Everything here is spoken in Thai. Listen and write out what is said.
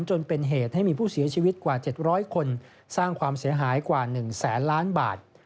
จนเป็นเหตุให้มีผู้เสียชีวิตกว่า๗๐๐คนสร้างความเสียหายกว่า๑แสนล้านบาท